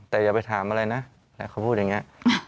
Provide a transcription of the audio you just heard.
แต่อย่าไปถามอะไรนะเขาพูดอย่างนี้